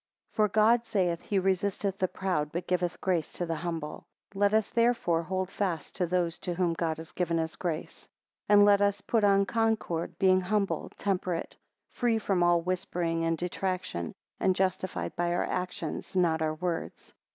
3 For God saith, he resisteth the proud, but giveth grace to the humble. 4 Let us therefore hold fast to those to whom God has given his grace. 5 And let us put on concord, being humble, temperate; free from all whispering and detraction; and justified by our actions, not our words.